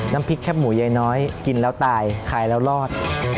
น้ำพริกแคบหมูยายน้อยกินแล้วตายขายแล้วรอด